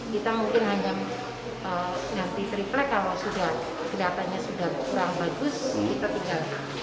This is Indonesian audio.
kita mungkin hanya ganti triplek kalau sudah kedatanya sudah kurang bagus